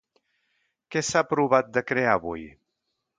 Què s'ha aprovat de crear avui?